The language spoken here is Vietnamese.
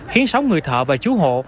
khiến sáu người thợ và chú hộ